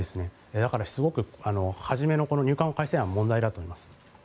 だからすごく初めのこの入管法改正案は問題だと思います。